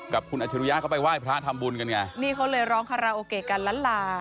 กับคุณอัจฉริยะเข้าไปไหว้ภาษาธรรมบุญกันไงนี่เขาเลยร้องและลา